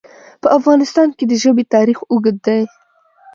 په افغانستان کې د ژبې تاریخ اوږد دی.